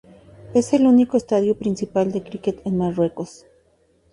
Es el único estadio principal de críquet en Marruecos.